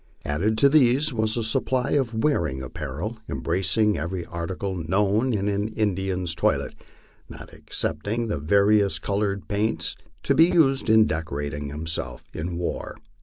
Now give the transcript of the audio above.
Added to these was a supply of wearing apparel, embracing every article known in an Indian's toilet, not ex cepting the various colored paints to be used in decorating himself for war.